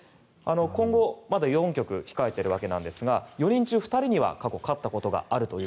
今後、まだ４局控えてるわけなんですが４人中２人には過去勝ったことがあると。